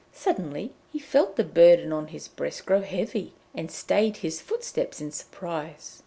Suddenly he felt the burden on his breast grow heavy, and stayed his footsteps in surprise.